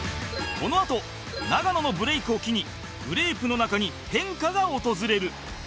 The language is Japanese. このあと永野のブレイクを機にグレープの中に変化が訪れる